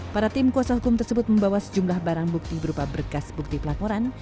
para tim kuasa hukum tersebut membawa sejumlah barang bukti berupa berkas bukti pelaporan